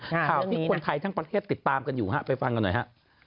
ข่าวที่คนไทยทั้งประเทศติดตามกันอยู่ฮะไปฟังกันหน่อยฮะ